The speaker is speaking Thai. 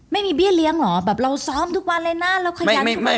ไม่มีเบี้ยเลี้ยงเหรอแบบเราซ้อมทุกวันเลยนะเราขยันทุกวัน